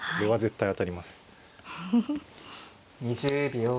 ２０秒。